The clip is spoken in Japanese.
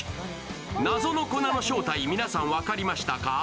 謎の粉の正体、皆さん分かりましたか？